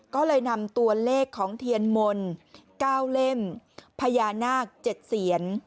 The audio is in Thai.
ก็เลยนำตัวเลขของเทียนมนต์๙เล่มพญานาค๗เสียน